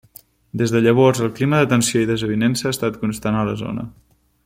Des de llavors, el clima de tensió i desavinença ha estat constant a la zona.